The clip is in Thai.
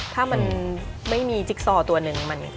ถ้ามันไม่มีจิ๊กซอตัวหนึ่ง